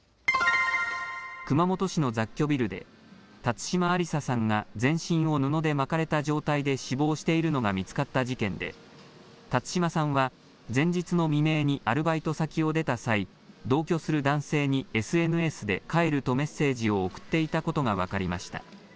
熊本市の雑居ビルで辰島ありささんが全身を布で巻かれた状態で死亡しているのが見つかった事件で辰島さんは前日の未明にアルバイト先を出た際同居する男性にＳＮＳで帰るとメッセージを送っていたことが分かりました。